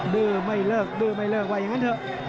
ดื้อไม่เลิกดื้อไม่เลิกว่าอย่างนั้นเถอะ